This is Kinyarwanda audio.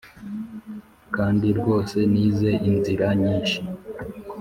kandi rwose nize inzira nyinshi